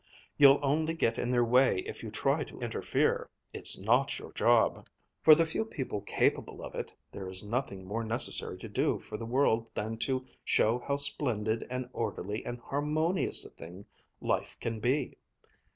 _ You'll only get in their way if you try to interfere. It's not your job. For the few people capable of it, there is nothing more necessary to do for the world than to show how splendid and orderly and harmonious a thing life can be.